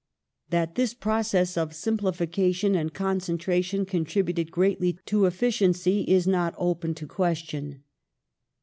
That this process of simplification and concentration contributed greatly to efficiency is not open to question.